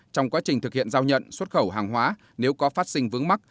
trong quá trình thực hiện giao nhận xuất khẩu hàng hóa nếu có phát sinh vững mắc